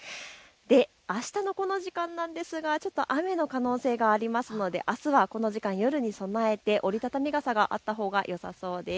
あしたのこの時間なんですがちょっと雨の可能性がありますのであすはこの時間、夜に備えて折り畳み傘があったほうがよさそうです。